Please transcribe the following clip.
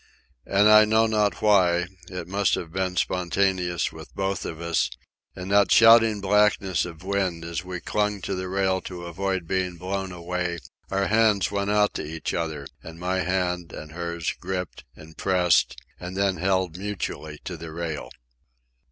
And, I know not why—it must have been spontaneous with both of us—in that shouting blackness of wind, as we clung to the rail to avoid being blown away, our hands went out to each other and my hand and hers gripped and pressed and then held mutually to the rail.